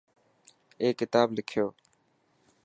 ائي ڪتاب لکيو.